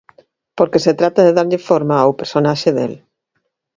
Porque se trata de darlle forma ao personaxe del.